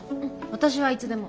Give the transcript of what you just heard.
私はいつでも。